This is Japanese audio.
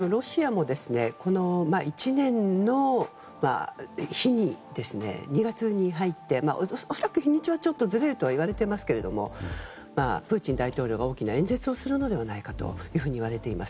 ロシアも１年の日に２月に入って恐らく日にちはずれるとは言われていますがプーチン大統領が大きな演説をするのではないかといわれています。